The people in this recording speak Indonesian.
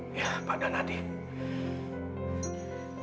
kita harus balas pandangan dari gw